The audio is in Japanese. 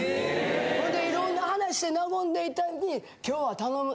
ほんで色んな話して和んでいった後に「今日は頼む」。